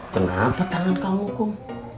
kenapa tangan kamu kum